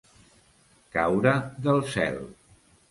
Caure del cel.